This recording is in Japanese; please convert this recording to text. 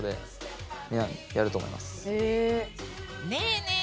ねえねえ